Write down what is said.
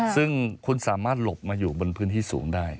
ซึ่งคุณสามารถหลบมาอยู่บนพื้นที่สูงได้